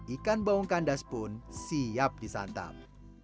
ikan baung kandas pun siap disantap